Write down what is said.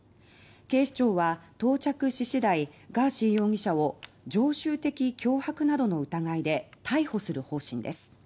警視庁は、到着次第ガーシー容疑者を常習的脅迫などの疑いで逮捕する方針です。